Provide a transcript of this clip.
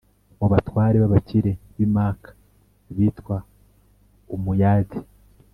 mu batware b’abakire b’i maka (bitwa umayyad)